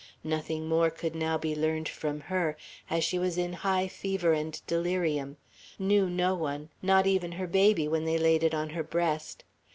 Nothing more could now be learned from her, as she was in high fever and delirium; knew no one, not even her baby when they laid it on her breast.